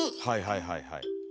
はいはいはいはい。